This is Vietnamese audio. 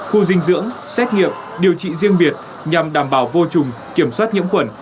khu dinh dưỡng xét nghiệm điều trị riêng việt nhằm đảm bảo vô trùng kiểm soát nhiễm khuẩn